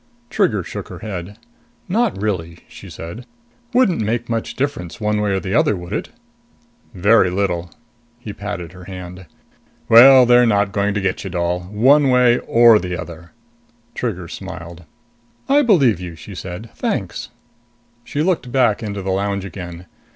Trigger shook her head. "Not really," she said. "Wouldn't make much difference one way or the other, would it?" "Very little." He patted her hand. "Well, they're not going to get you, doll one way or the other!" Trigger smiled. "I believe you," she said. "Thanks." She looked back into the lounge again.